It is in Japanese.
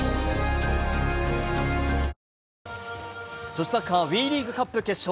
女子サッカーＷＥリーグカップ決勝。